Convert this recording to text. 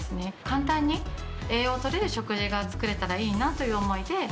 簡単に栄養をとれる食事が作れたらいいなという思いで。